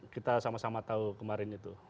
kita sama sama tahu kemarin itu